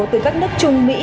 từ các nước trung mỹ